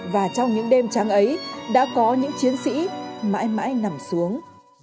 và trong những đêm trang ấy đã có những chiến sĩ mãi mãi nằm xuống